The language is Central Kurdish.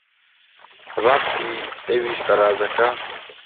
ڕاستی ئەویش بەرازەکە!